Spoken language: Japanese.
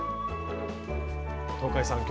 東海さん